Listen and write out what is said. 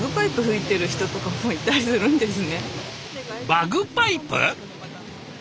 バグパイプ？